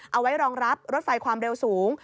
เอาไว้รองรับรถไฟความเร็วสูง